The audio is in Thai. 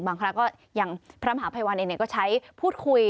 บางครั้งก็อย่างพระมหาภัยวันเองก็ใช้พูดคุย